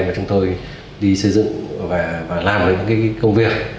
và chúng tôi đi xây dựng và làm những công việc